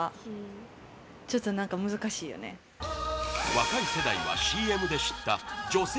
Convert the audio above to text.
若い世代はＣＭで知った女性